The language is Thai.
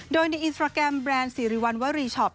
โดยในอินสตราแกรมแบรนด์สิริวัณวรีช็อป